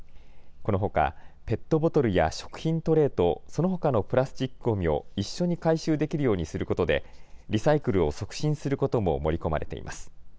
このほかペットボトルや食品トレーと、そのほかのプラスチックごみを一緒に回収できるようにすることでリサイクルを促進することも盛り込まれています。